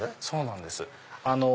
そうなんです。